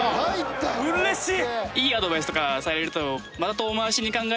うれしい。